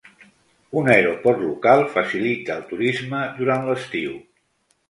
Un aeroport local facilita el turisme durant l'estiu.